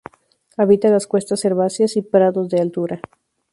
Habita las cuestas herbáceas, y prados de altura.